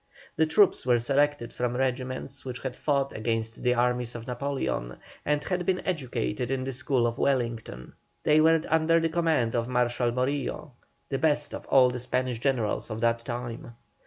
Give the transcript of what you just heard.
The troops were selected from regiments which had fought against the armies of Napoleon, and had been educated in the school of Wellington. They were under the command of Marshal Morillo, the best of all the Spanish generals of that time.